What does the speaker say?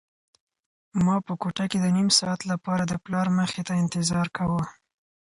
ما په کوټه کې د نيم ساعت لپاره د پلار مخې ته انتظار کاوه.